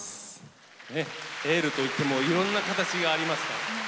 エールといってもいろんな形がありますから。